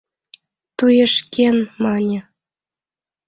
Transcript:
— Туешкен, — мане.